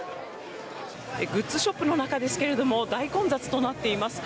グッズショップの中ですが大混雑となっています。